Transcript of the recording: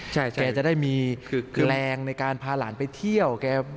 ใช่แกจะได้มีแรงในการพาหลานไปเที่ยวแก